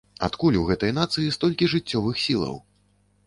Адкуль у гэтай нацыі столькі жыццёвых сілаў?